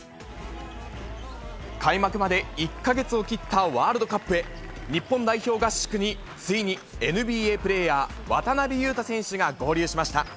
開幕まで１か月を切ったワールドカップへ、日本代表合宿に、ついにＮＢＡプレーヤー、渡邊雄太選手が合流しました。